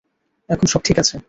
এখন সব ঠিক আছে!